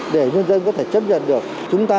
để nhân dân có thể chấp nhận được